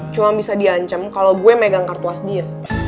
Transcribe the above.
cuma bisa diancam kalau gue megang kartu as dia